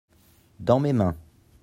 dans mes mains.